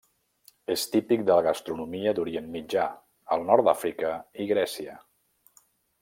És típic de la gastronomia d'Orient Mitjà, el nord d'Àfrica i Grècia.